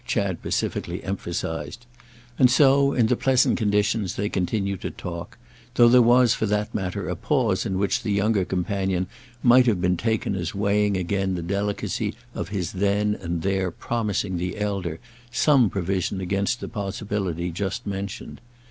_" Chad pacifically emphasised; and so, in the pleasant conditions, they continued to talk; though there was, for that matter, a pause in which the younger companion might have been taken as weighing again the delicacy of his then and there promising the elder some provision against the possibility just mentioned.